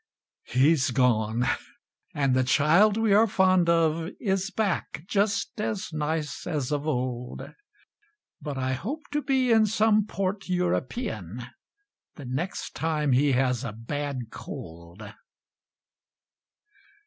He's gone, and the child we are fond of Is back, just as nice as of old. But I hope to be in some port European The next time he has a bad cold.